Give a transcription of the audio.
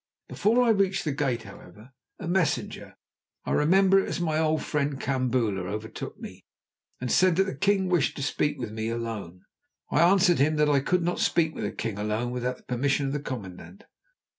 Before I reached the gate, however, a messenger, I remember it was my old friend Kambula, overtook me, and said that the king wished to speak with me alone. I answered him that I could not speak with the king alone without the permission of the commandant.